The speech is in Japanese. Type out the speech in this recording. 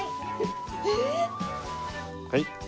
はい。